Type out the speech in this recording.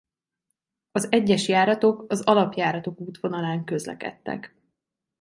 Az egyes járatok az alapjáratok útvonalán közlekedtek.